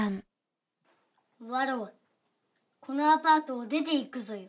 わらわこのアパートを出て行くぞよ。